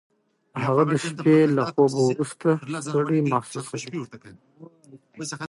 هغه د شپې له خوبه وروسته ستړی محسوسوي.